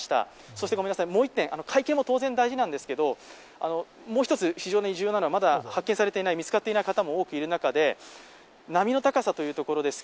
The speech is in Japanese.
そして、もう１点、会見も当然大事なんですけれども、非常に重要なのはまだ発見されていない方も多くいる中で波の高さというところです。